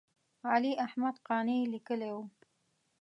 علي احمد قانع یې لیکلی و.